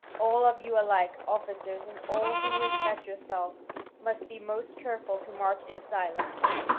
All of you alike, officers, and all who respect yourselves, must be most careful to march in silence.